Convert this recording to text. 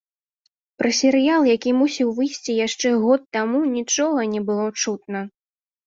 Пра серыял, які мусіў выйсці яшчэ год таму, нічога не было чутно.